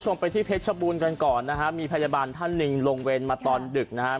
ชมไปที่เพชรชะบูนกันก่อนนะฮะมีพยาบาลท่านลิงลงเวนมาตอนดึกนะฮะ